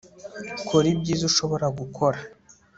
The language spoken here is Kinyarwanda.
kora ibyiza ushobora gukora